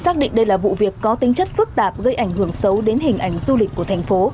xác định đây là vụ việc có tính chất phức tạp gây ảnh hưởng xấu đến hình ảnh du lịch của thành phố